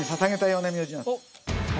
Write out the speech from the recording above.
おっ！